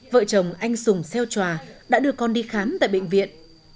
vợ chồng anh sùng xeo tròa đã đưa con đi khám tại bệnh viện